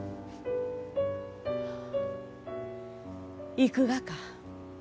行くがか？